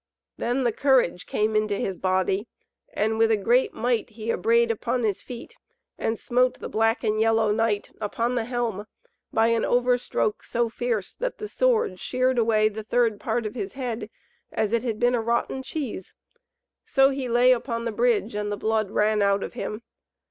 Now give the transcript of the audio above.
Then the courage came into his body, and with a great might he abraid upon his feet, and smote the black and yellow knight upon the helm by an overstroke so fierce that the sword sheared away the third part of his head, as it had been a rotten cheese. So he lay upon the bridge, and the blood ran out of him.